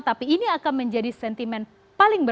tapi ini akan menjadi sentimen paling besar